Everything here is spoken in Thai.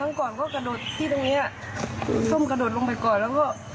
ก่อนก็กระโดดที่ตรงเนี้ยส้มกระโดดลงไปก่อนแล้วก็